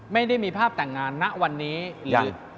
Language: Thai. ไม่ได้มีภาพแต่งงานนักวันนี้อีก